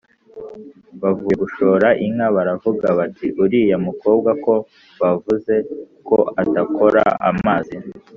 bavuye gushora inka baravuga bati: “uriya mukobwa ko bavuze ko adakora amazi